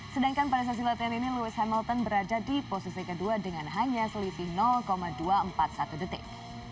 sedangkan pada sesi latihan ini luis hamilton berada di posisi kedua dengan hanya selisih dua ratus empat puluh satu detik